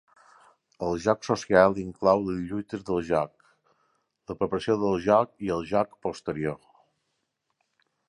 El joc social inclou les lluites del joc, la preparació del joc i el joc posterior.